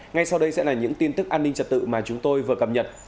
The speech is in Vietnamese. ngay sau đây sẽ là những tin tức an ninh trật tự mà chúng tôi vừa cập nhật